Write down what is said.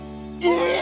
え！